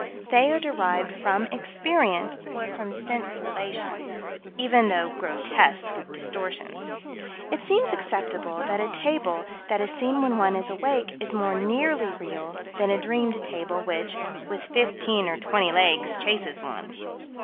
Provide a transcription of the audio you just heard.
They are derived from experience or from senes relations, even though grotesque distortions. It seems acceptable that a table that is seen when one is awake is more nearly real than a dreamed table, which, with fifteen or twenty legs, chases one.